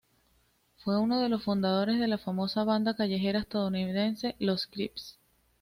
Fue uno de los fundadores de la famosa banda callejera estadounidense de los Crips.